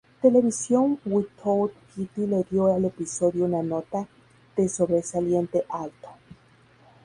Television Without Pity le dio al episodio una nota de Sobresaliente alto.